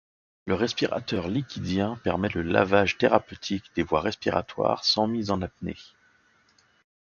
Le respirateur liquidien permet le lavage thérapeutique des voies respiratoires sans mise en apnée.